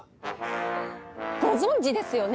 ご存じですよね？